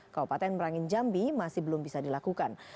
kabupaten merangin jambi masih belum bisa dilakukan